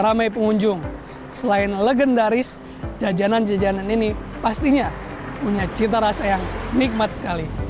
ramai pengunjung selain legendaris jajanan jajanan ini pastinya punya cita rasa yang nikmat sekali